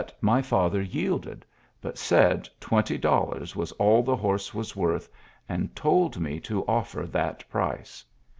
my fiather yielded, but said twenty dollars was all the horse was worth, and told me to offer that price.